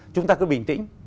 chúng ta cứ bình tĩnh